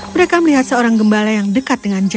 mereka melihat seorang gembala yang dekat dengan jakarta